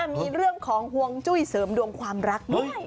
มีเรื่องของห่วงจุ้ยเสริมดวงความรักด้วย